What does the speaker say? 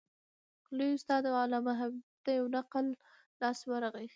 لوی استاد علامه حبیبي ته یو نقل لاس ورغلی.